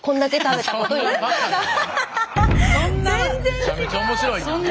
めちゃめちゃ面白いな。